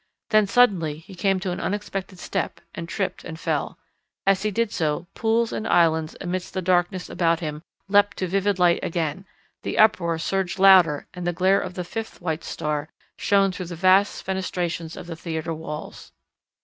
Then suddenly he came to an unexpected step and tripped and fell. As he did so pools and islands amidst the darkness about him leapt to vivid light again, the uproar surged louder and the glare of the fifth white star shone through the vast fenestrations of the theatre walls.